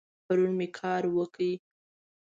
پرون می کار وکړ